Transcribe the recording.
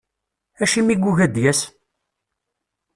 Acimi i yugi ad d-yas?